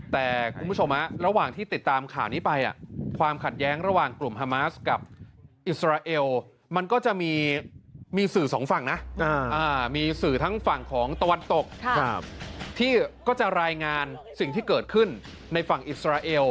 แต่คุณผู้ชมระหว่างที่ติดตามข่าวนี้ไปความขัดแย้งระหว่างกลุ่มฮามาสกับอิสราเอลมันก็จะมีสื่อสองฝั่งนะมีสื่อทั้งฝั่งของตะวันตกที่ก็จะรายงานสิ่งที่เกิดขึ้นในฝั่งอิสราเอล